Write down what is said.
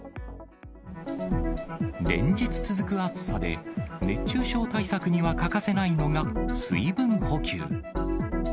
連日続く暑さで、熱中症対策には欠かせないのが水分補給。